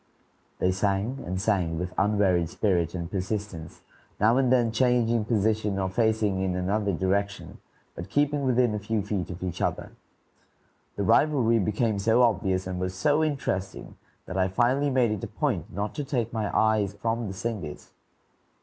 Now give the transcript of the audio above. They sang and sang with unwearied spirit and persistence, now and then changing position or facing in another direction, but keeping within a few feet of each other. The rivalry became so obvious and was so interesting that I finally made it a point not to take my eyes from the singers.